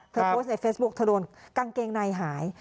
โพสต์ในเฟซบุ๊คเธอโดนกางเกงในหาย